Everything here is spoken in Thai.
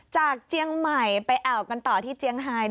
เจียงใหม่ไปแอวกันต่อที่เจียงไฮ